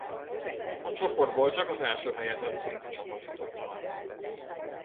A csoportból csak az első helyezett brit csapat jutott tovább.